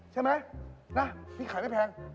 ใช่ไหมนะที่ขายไม่แพง